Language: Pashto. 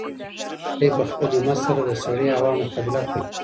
دی په خپل همت سره د سړې هوا مقابله کوي.